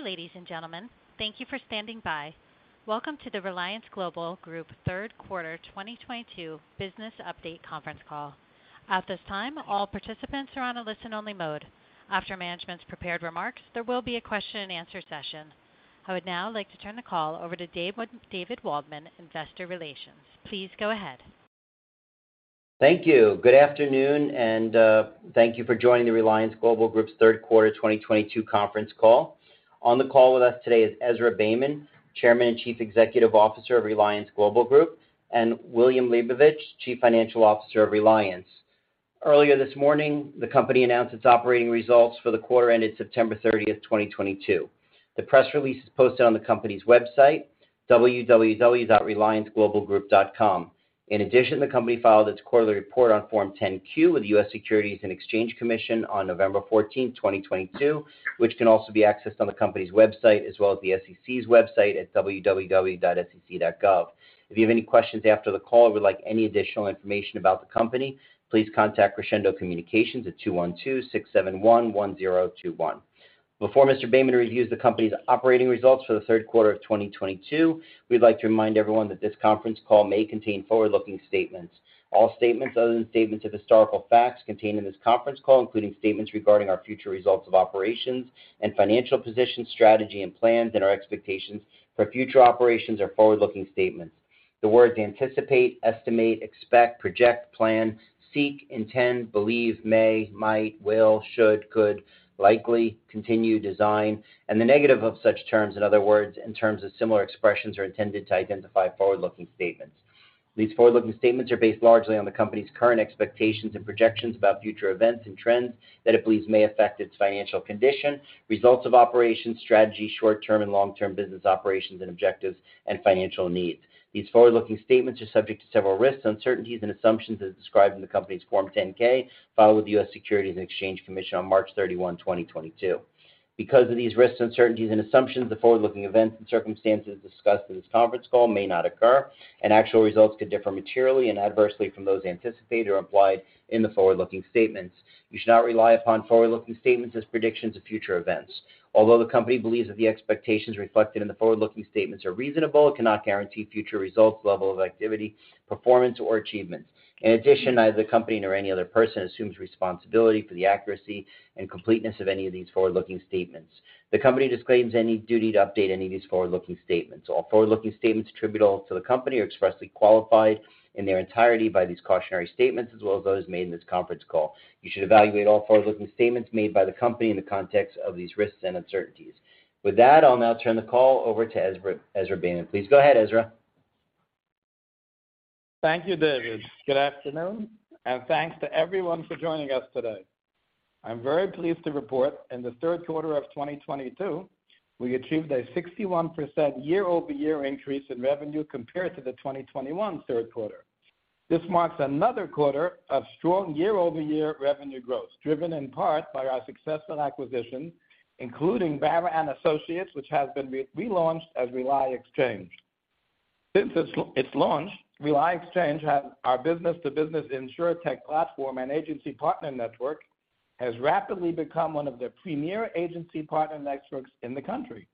Good day, ladies and gentlemen. Thank you for standing by. Welcome to the Reliance Global Group Q3 2022 business update conference call. At this time, all participants are on a listen-only mode. After management's prepared remarks, there will be a question and answer session. I would now like to turn the call over to David Waldman, Investor Relations. Please go ahead. Thank you. Good afternoon, and thank you for joining the Reliance Global Group's third quarter 2022 conference call. On the call with us today is Ezra Beyman, Chairman and Chief Executive Officer of Reliance Global Group, and William Lebovics, Chief Financial Officer of Reliance. Earlier this morning, the company announced its operating results for the quarter ended September 30, 2022. The press release is posted on the company's website, www.relianceglobalgroup.com. In addition, the company filed its quarterly report on Form 10-Q with the US Securities and Exchange Commission on November 14, 2022, which can also be accessed on the company's website as well as the SEC's website at www.sec.gov. If you have any questions after the call or would like any additional information about the company, please contact Crescendo Communications at 212-671-1021. Before Mr. Beyman reviews the company's operating results for the third quarter of 2022. We'd like to remind everyone that this conference call may contain forward-looking statements. All statements other than statements of historical facts contained in this conference call, including statements regarding our future results of operations and financial position, strategy and plans and our expectations for future operations are forward-looking statements. The words anticipate, estimate, expect, project, plan, seek, intend, believe, may, might, will, should, could, likely, continue, design, and the negative of such terms and other words and terms of similar expressions are intended to identify forward-looking statements. These forward-looking statements are based largely on the company's current expectations and projections about future events and trends that it believes may affect its financial condition, results of operations, strategy, short-term and long-term business operations and objectives and financial needs. These forward-looking statements are subject to several risks, uncertainties, and assumptions as described in the company's Form 10-K filed with the US Securities and Exchange Commission on March 31, 2022. Because of these risks, uncertainties and assumptions, the forward-looking events and circumstances discussed in this conference call may not occur, and actual results could differ materially and adversely from those anticipated or implied in the forward-looking statements. You should not rely upon forward-looking statements as predictions of future events. Although the company believes that the expectations reflected in the forward-looking statements are reasonable, it cannot guarantee future results, level of activity, performance, or achievements. In addition, neither the company nor any other person assumes responsibility for the accuracy and completeness of any of these forward-looking statements. The company disclaims any duty to update any of these forward-looking statements. All forward-looking statements attributable to the company are expressly qualified in their entirety by these cautionary statements as well as those made in this conference call. You should evaluate all forward-looking statements made by the company in the context of these risks and uncertainties. With that, I'll now turn the call over to Ezra Beyman. Please go ahead, Ezra. Thank you, David. Good afternoon, and thanks to everyone for joining us today. I'm very pleased to report in the Q3 of 2022, we achieved a 61% year-over-year increase in revenue compared to the 2021 Q#. This marks another quarter of strong year-over-year revenue growth, driven in part by our successful acquisitions, including Bama and Associates, which has been re-launched as RELI Exchange. Since its launch, RELI Exchange, our business-to-business insurtech platform and agency partner network, has rapidly become one of the premier agency partner networks in the country.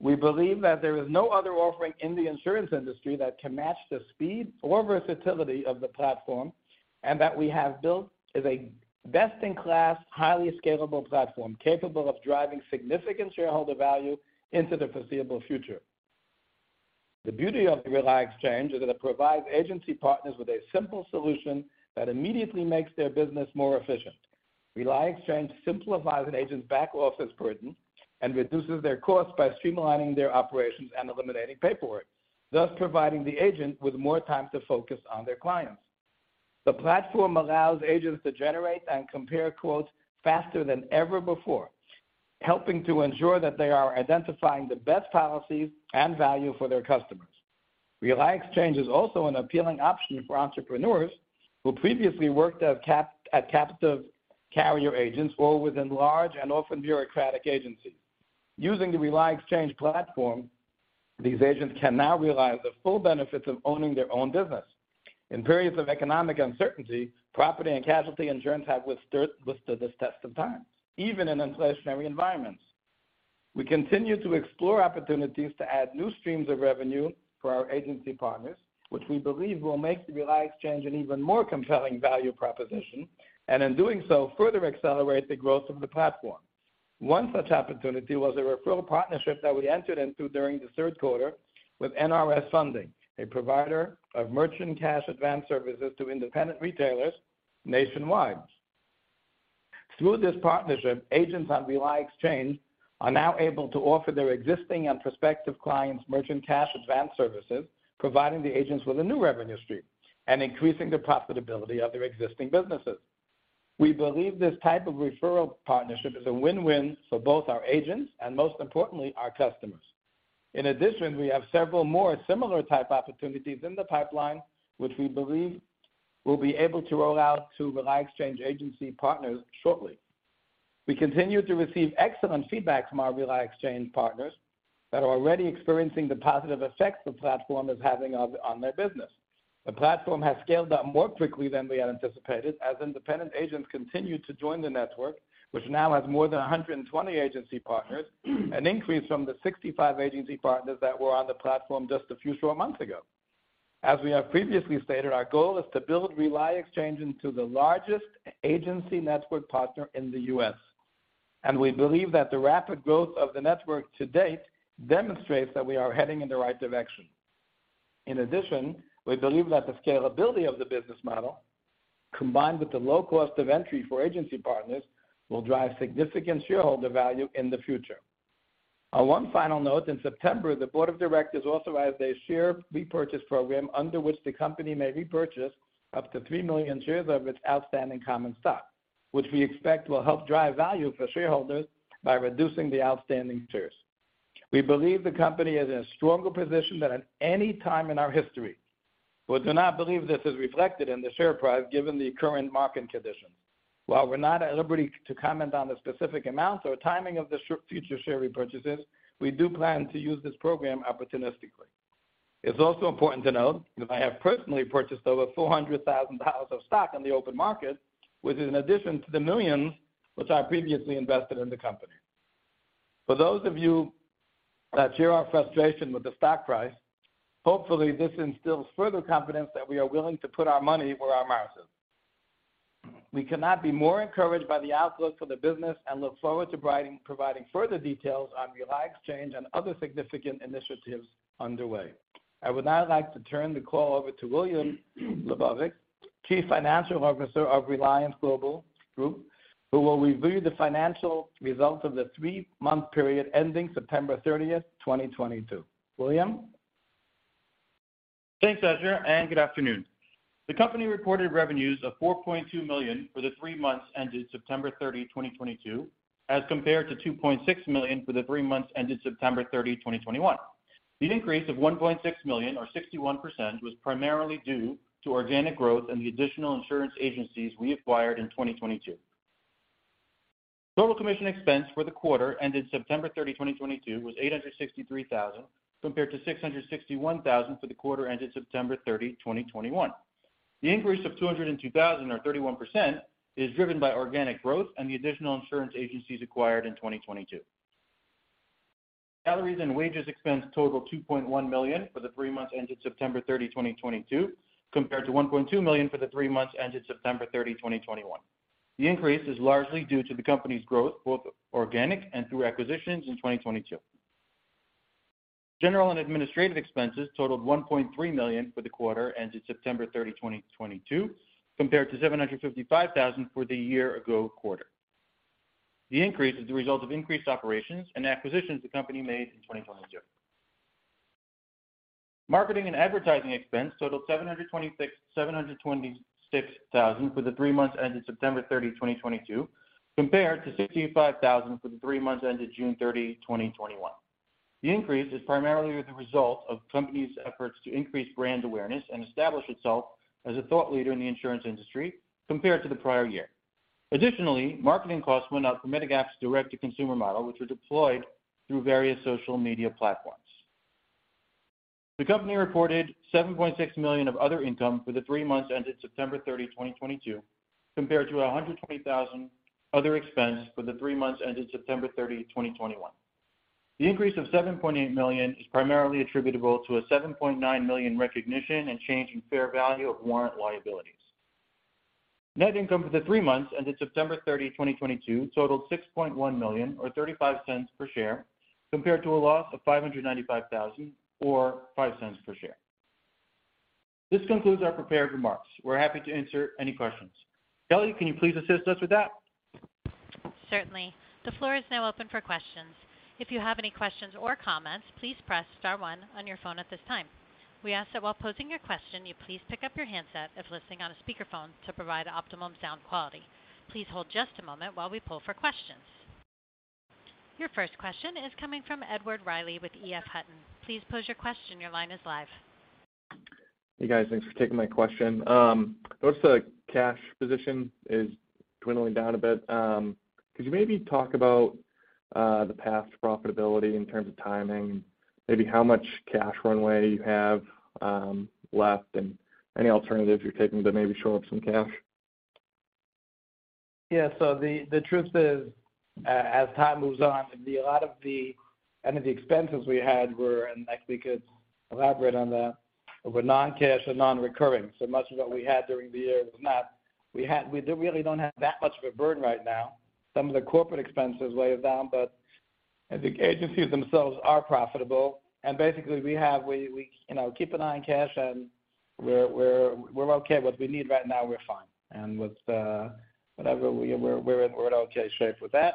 We believe that there is no other offering in the insurance industry that can match the speed or versatility of the platform and that we have built is a best-in-class, highly scalable platform capable of driving significant shareholder value into the foreseeable future. The beauty of the RELI Exchange is that it provides agency partners with a simple solution that immediately makes their business more efficient. RELI Exchange simplifies an agent's back office burden and reduces their costs by streamlining their operations and eliminating paperwork, thus providing the agent with more time to focus on their clients. The platform allows agents to generate and compare quotes faster than ever before, helping to ensure that they are identifying the best policies and value for their customers. RELI Exchange is also an appealing option for entrepreneurs who previously worked at captive carrier agents or within large and often bureaucratic agencies. Using the RELI Exchange platform, these agents can now realize the full benefits of owning their own business. In periods of economic uncertainty, property and casualty insurance have withstood this test of time, even in inflationary environments. We continue to explore opportunities to add new streams of revenue for our agency partners, which we believe will make the RELI Exchange an even more compelling value proposition, and in doing so, further accelerate the growth of the platform. One such opportunity was a referral partnership that we entered into during the third quarter with NRS Funding, a provider of merchant cash advance services to independent retailers nationwide. Through this partnership, agents on RELI Exchange are now able to offer their existing and prospective clients merchant cash advance services, providing the agents with a new revenue stream and increasing the profitability of their existing businesses. We believe this type of referral partnership is a win-win for both our agents and, most importantly, our customers. In addition, we have several more similar type opportunities in the pipeline, which we believe we'll be able to roll out to RELI Exchange agency partners shortly. We continue to receive excellent feedback from our RELI Exchange partners that are already experiencing the positive effects the platform is having on their business. The platform has scaled up more quickly than we had anticipated as independent agents continued to join the network, which now has more than 120 agency partners, an increase from the 65 agency partners that were on the platform just a few short months ago. As we have previously stated, our goal is to build RELI Exchange into the largest agency network partner in the U.S. We believe that the rapid growth of the network to date demonstrates that we are heading in the right direction. In addition, we believe that the scalability of the business model, combined with the low cost of entry for agency partners, will drive significant shareholder value in the future. On one final note, in September, the board of directors authorized a share repurchase program under which the company may repurchase up to 3 million shares of its outstanding common stock, which we expect will help drive value for shareholders by reducing the outstanding shares. We believe the company is in a stronger position than at any time in our history. We do not believe this is reflected in the share price given the current market conditions. While we're not at liberty to comment on the specific amounts or timing of the future share repurchases, we do plan to use this program opportunistically. It's also important to note that I have personally purchased over $400,000 of stock on the open market, which is in addition to the millions which I previously invested in the company. For those of you that share our frustration with the stock price, hopefully this instills further confidence that we are willing to put our money where our mouth is. We cannot be more encouraged by the outlook for the business and look forward to providing further details on RELI Exchange and other significant initiatives underway. I would now like to turn the call over to William Lebovics, Chief Financial Officer of Reliance Global Group, who will review the financial results of the three-month period ending September 30, 2022. William? Thanks, Ezra, and good afternoon. The company reported revenues of $4.2 million for the three months ended September 30, 2022, as compared to $2.6 million for the three months ended September 30, 2021. The increase of $1.6 million or 61% was primarily due to organic growth and the additional insurance agencies we acquired in 2022. Total commission expense for the quarter ended September 30, 2022 was $863,000, compared to $661,000 for the quarter ended September 30, 2021. The increase of $202,000 or 31% is driven by organic growth and the additional insurance agencies acquired in 2022. Salaries and wages expense totaled $2.1 million for the three months ended September 30, 2022, compared to $1.2 million for the three months ended September 30, 2021. The increase is largely due to the company's growth, both organic and through acquisitions in 2022. General and administrative expenses totaled $1.3 million for the quarter ended September 30, 2022, compared to $755,000 for the year ago quarter. The increase is the result of increased operations and acquisitions the company made in 2022. Marketing and advertising expense totaled $726,000 for the three months ended September 30, 2022, compared to $65,000 for the three months ended June 30, 2021. The increase is primarily the result of the company's efforts to increase brand awareness and establish itself as a thought leader in the insurance industry compared to the prior year. Additionally, marketing costs went up for Medigap's direct-to-consumer model, which were deployed through various social media platforms. The company reported $7.6 million of other income for the three months ended September 30, 2022, compared to $120,000 other expense for the three months ended September 30, 2021. The increase of $7.8 million is primarily attributable to a $7.9 million recognition and change in fair value of warrant liabilities. Net income for the three months ended September 30, 2022 totaled $6.1 million or $0.35 per share, compared to a loss of $595,000 or $0.05 per share. This concludes our prepared remarks. We're happy to answer any questions. Kelly, can you please assist us with that? Certainly. The floor is now open for questions. If you have any questions or comments, please press star one on your phone at this time. We ask that while posing your question, you please pick up your handset if listening on a speakerphone to provide optimum sound quality. Please hold just a moment while we poll for questions. Your first question is coming from Edward Reilly with EF Hutton. Please pose your question. Your line is live. Hey, guys. Thanks for taking my question. What's the cash position? It's dwindling down a bit. Could you maybe talk about the path to profitability in terms of timing? Maybe how much cash runway you have left and any alternatives you're taking to maybe shore up some cash? Yeah. The truth is, as time moves on, a lot of the, I think the expenses we had were, and actually could elaborate on that, were non-cash and non-recurring. Much of what we had during the year was not. We really don't have that much of a burden right now. Some of the corporate expenses weigh down, but I think agencies themselves are profitable. Basically, we, you know, keep an eye on cash, and we're okay. What we need right now, we're fine. With whatever, we're in okay shape with that.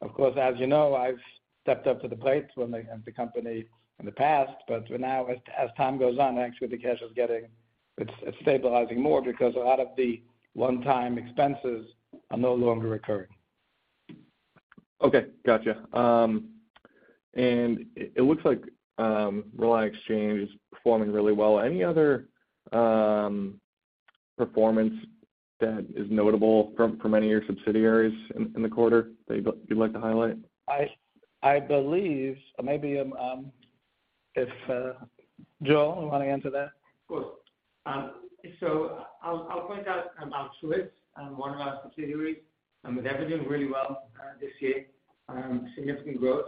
Of course, as you know, I've stepped up to the plate when the company in the past. For now, as time goes on, actually, it's stabilizing more because a lot of the one-time expenses are no longer recurring. Okay, gotcha. It looks like, RELI Exchange is performing really well. Any other? Performance that is notable from any of your subsidiaries in the quarter that you'd like to highlight? I believe or maybe, if Joel, you want to answer that? Of course. I'll point out Truist, one of our subsidiaries, has everything really well this year, significant growth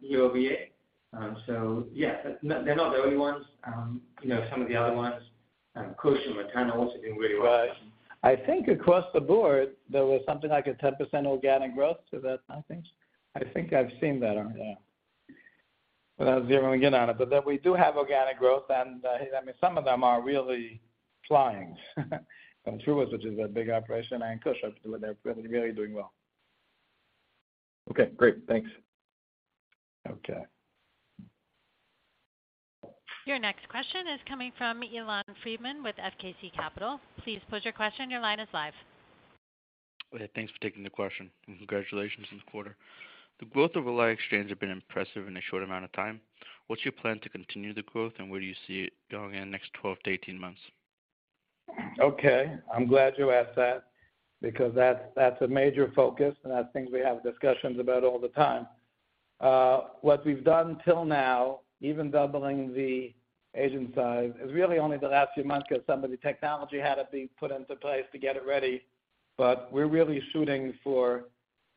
year-over-year. Yeah, they're not the only ones. You know, some of the other ones, Kush and Altona also doing really well. Right. I think across the board there was something like a 10% organic growth to that, I think. I think I've seen that on, yeah. Without zeroing in on it. We do have organic growth and, I mean, some of them are really flying. Truist, which is a big operation, and Kush are two that are really doing well. Okay, great. Thanks. Okay. Your next question is coming from Elan Friedman with FKC Capital. Please pose your question. Your line is live. Thanks for taking the question and congratulations on the quarter. The growth of RELI Exchange has been impressive in a short amount of time. What's your plan to continue the growth and where do you see it going in the next 12 months-18 months? Okay. I'm glad you asked that because that's a major focus, and I think we have discussions about all the time. What we've done till now, even doubling the agent size, is really only the last few months because some of the technology had to be put into place to get it ready. We're really shooting for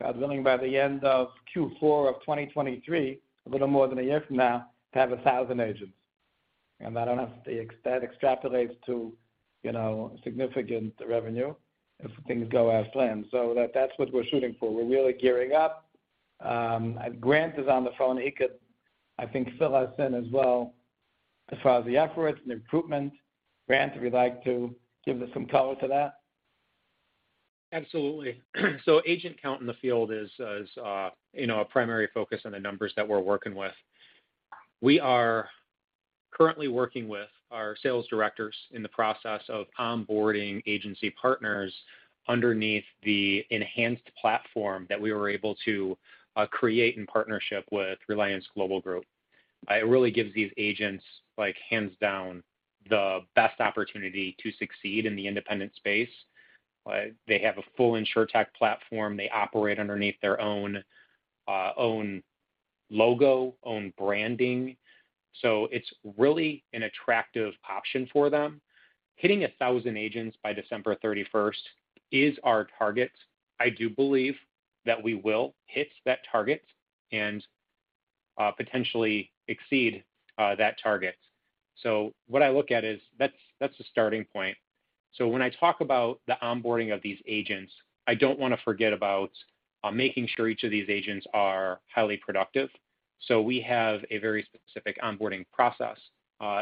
going by the end of Q4 of 2023, a little more than a year from now, to have 1,000 agents. That extrapolates to, you know, significant revenue if things go as planned. That's what we're shooting for. We're really gearing up. Grant is on the phone. He could, I think, fill us in as well as far as the efforts and the recruitment. Grant, would you like to give some color to that? Absolutely. Agent count in the field is, you know, a primary focus on the numbers that we're working with. We are currently working with our sales directors in the process of onboarding agency partners underneath the enhanced platform that we were able to create in partnership with Reliance Global Group. It really gives these agents, like, hands down the best opportunity to succeed in the independent space. They have a full insurtech platform. They operate underneath their own logo, own branding. It's really an attractive option for them. Hitting 1,000 agents by December 31 is our target. I do believe that we will hit that target and potentially exceed that target. What I look at is that's the starting point. When I talk about the onboarding of these agents, I don't want to forget about, making sure each of these agents are highly productive. We have a very specific onboarding process,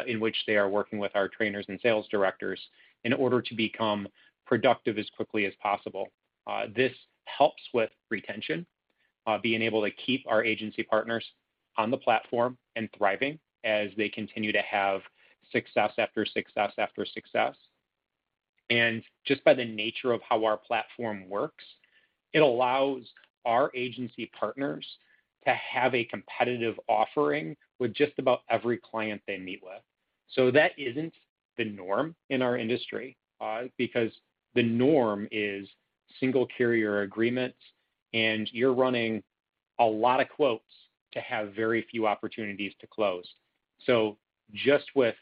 in which they are working with our trainers and sales directors in order to become productive as quickly as possible. This helps with retention, being able to keep our agency partners on the platform and thriving as they continue to have success after success after success. Just by the nature of how our platform works, it allows our agency partners to have a competitive offering with just about every client they meet with. That isn't the norm in our industry, because the norm is single carrier agreements, and you're running a lot of quotes to have very few opportunities to close. Just with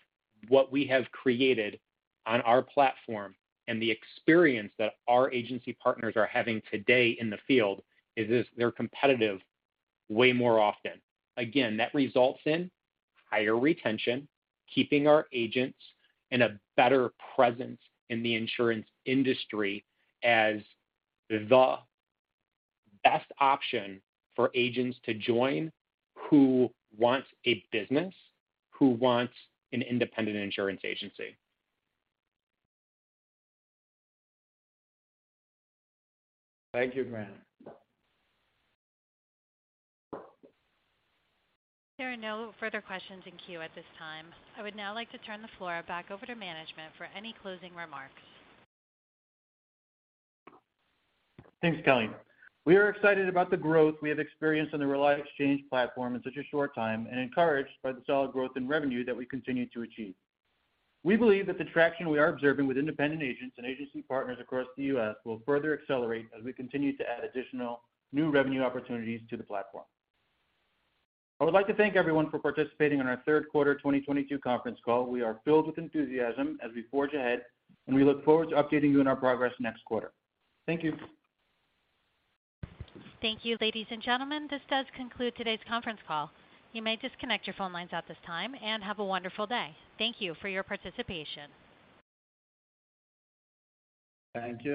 what we have created on our platform and the experience that our agency partners are having today in the field is that they're competitive way more often. Again, that results in higher retention, keeping our agents in a better presence in the insurance industry as the best option for agents to join who want a business, who wants an independent insurance agency. Thank you, Grant. There are no further questions in queue at this time. I would now like to turn the floor back over to management for any closing remarks. Thanks, Colleen. We are excited about the growth we have experienced on the RELI Exchange platform in such a short time and encouraged by the solid growth in revenue that we continue to achieve. We believe that the traction we are observing with independent agents and agency partners across the U.S. will further accelerate as we continue to add additional new revenue opportunities to the platform. I would like to thank everyone for participating on our third quarter 2022 conference call. We are filled with enthusiasm as we forge ahead, and we look forward to updating you on our progress next quarter. Thank you. Thank you, ladies and gentlemen. This does conclude today's conference call. You may disconnect your phone lines at this time and have a wonderful day. Thank you for your participation. Thank you.